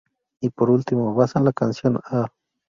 Y por último, basan la canción “"Ah!